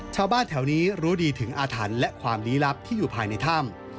ชาวบ้านแถวนี้รู้ดีถึงอาถรรพ์และความลี้ลับที่อยู่ภายในถ้ำ